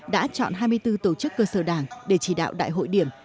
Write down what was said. đã chọn hai mươi bốn tổ chức cơ sở đảng để chỉ đạo đại hội điểm